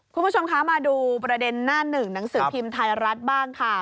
คุณผู้ชมคะมาดูประเด็นหน้าหนึ่งหนังสือพิมพ์ไทยรัฐบ้างค่ะ